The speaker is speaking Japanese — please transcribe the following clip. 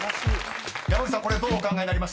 山口さんどうお考えになりました？］